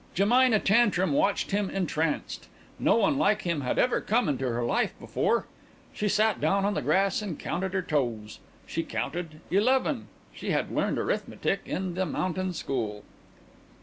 Jemina Tantrum watched him entranced. No one like him had ever come into her life before. She sat down on the grass and counted her toes. She counted eleven. She had learned arithmetic in the mountain school.